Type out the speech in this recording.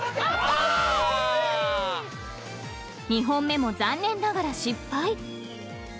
［２本目も残念ながら失敗］